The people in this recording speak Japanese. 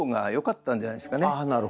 なるほどね。